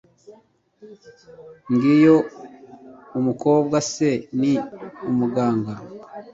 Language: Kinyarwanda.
Ngiyo umukobwa se ni umuganga